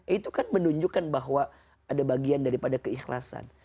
itu kan menunjukkan bahwa ada bagian daripada keikhlasan